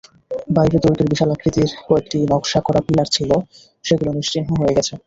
বাইরে দুর্গের বিশালাকৃতির কয়েকটি নকশা করা পিলার ছিল, সেগুলো নিশ্চিহ্ন হয়ে গেছে।